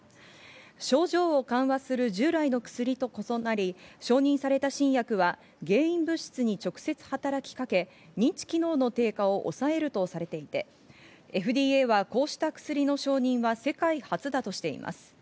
症状を緩和する従来の薬と異なり、承認された新薬は原因物質に直接働きかけ、認知機能の低下を抑えるとされていて、ＦＤＡはこうした薬の承認は世界初だとしています。